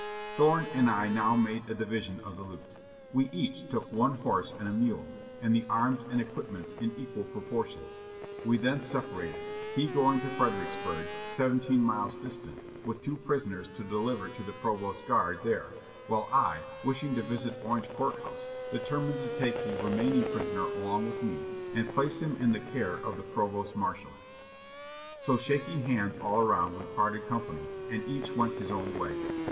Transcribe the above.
Thorne and I now made a division of the loot. We each took one horse and a mule and the arms and equipments in equal pro portions ; we then separated, he going to Fredericksburg, sev enteen miles distant, with two prisoners to deliver to the pro vost guard there, while I, wishing to visit Orange Court House, determined to take the remaining prisoner along with me and place him in the care of the provost marshal. So shaking hands all around, we parted company, and each went his own way.